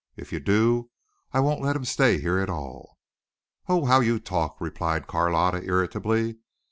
If you do I won't let him stay here at all." "Oh, how you talk," replied Carlotta irritably.